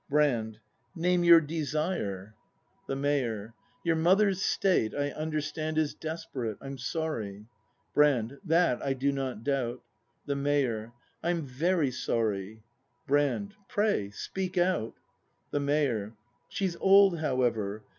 Brand. Name your desire. 124 BRAND [act hi The Mayor. Your mother's state, I understand, is desperate. I'm sorry. Brand. That I do not doubt. The Mayor. I'm very sorry. Brand. Pray, speak out. The Mayor. She's old, however.